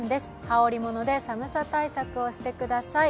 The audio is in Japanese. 羽織りもので寒さ対策をしてください。